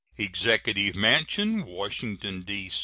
EXECUTIVE MANSION, _Washington, D.